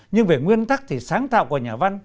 nhưng về nguyên tắc thì sáng tạo của nhà văn